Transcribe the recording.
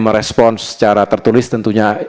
merespon secara tertulis tentunya